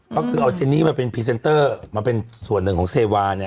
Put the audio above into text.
ก็คือเอาเจนนี่มาเป็นพรีเซนเตอร์มาเป็นส่วนหนึ่งของเซวาเนี่ย